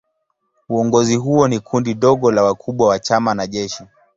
Uongozi huo ni kundi dogo la wakubwa wa chama na jeshi.